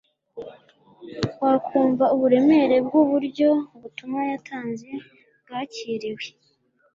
wakumva uburemere bw'uburyo ubutumwa yatanze bwakiriwe